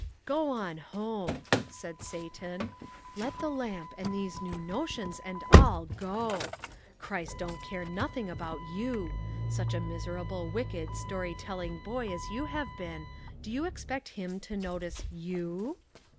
"Go on home," said Satan. "Let the lamp and these new notions and all go! Christ don't care anything about you; such a miserable, wicked, story telling boy as you have been, do you expect Him to notice you?"